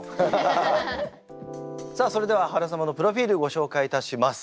さあそれでは原様のプロフィールご紹介いたします。